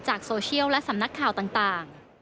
โซเชียลและสำนักข่าวต่าง